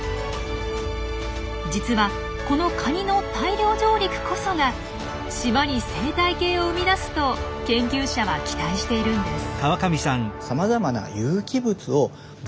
実はこのカニの大量上陸こそが島に生態系を生み出すと研究者は期待しているんです。